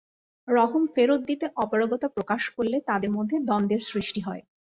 রহম ফেরত দিতে অপারগতা প্রকাশ করলে তাঁদের মধ্যে দ্বন্দ্বের সৃষ্টি হয়।